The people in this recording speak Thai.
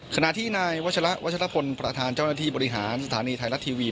ขณะที่นายวัชละวัชรพลประธานเจ้าหน้าที่บริหารสถานีไทยรัฐทีวี